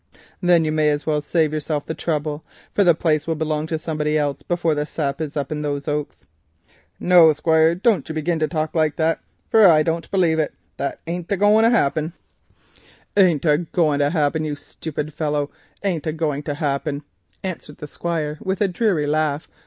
"Then you may as well save yourself the trouble, for the place will belong to somebody else before the sap is up in those oaks." "Now, Squire, don't you begin to talk like that, for I don't believe it. That ain't a going to happen." "Ain't a going to happen, you stupid fellow, ain't a going to happen," answered the Squire with a dreary laugh.